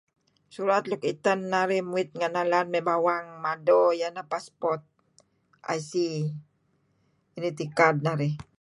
Surat luk iten narih nguit renga' nalan mey ngi bawang mado iyeh ineh passport, IC : Identity Card narih.